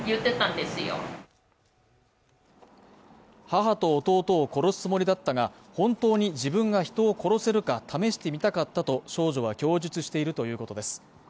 母と弟を殺すつもりだったが本当に自分が人を殺せるか試してみたかったと少女は供述しているということです。